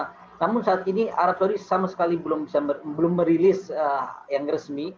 namun saat ini arab saudi sama sekali belum merilis yang resmi